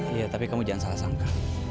iya tapi kamu jangan salah sangka